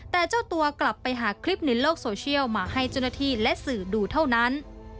แต่เจ้าตัวกลับไปหาคลิปในโลกโซเชียลมาให้เจ้าหน้าที่และสื่อดูเท่านั้น